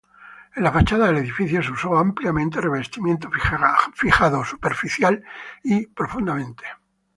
En la fachada del edificio se usó ampliamente revestimiento fijado superficial y profundamente.